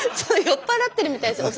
酔っ払ってるみたいですよ。